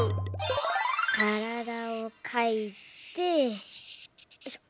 からだをかいてよいしょ。